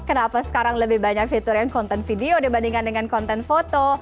kenapa sekarang lebih banyak fitur yang konten video dibandingkan dengan konten foto